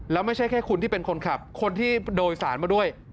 แล้วไม่ใช่แค่คุณที่เป็นคนขับคนที่โดยสารมาด้วย